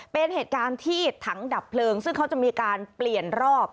เป็นเหตุการณ์ที่ถังดับเพลิงซึ่งเขาจะมีการเปลี่ยนรอบ